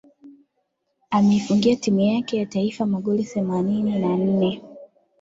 Ameifungia timu yake ya taifa magoli themanini na nne